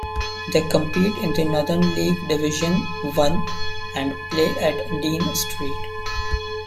They compete in the Northern League Division One and play at Dean Street.